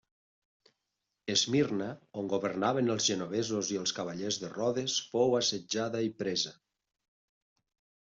Esmirna, on governaven els genovesos i els Cavallers de Rodes fou assetjada i presa.